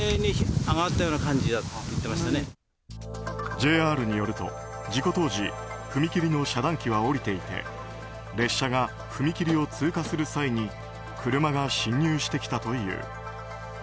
ＪＲによると、事故当時踏切の遮断機は下りていて列車が踏切を通過する際に車が進入してきたという。